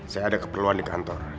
saya ada keperluan di kantor